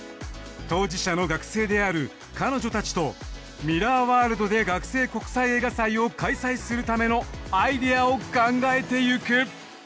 当事者の学生である彼女たちとミラーワールドで学生国際映画祭を開催するためのアイデアを考えてゆく。